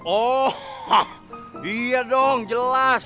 oh hah iya dong jelas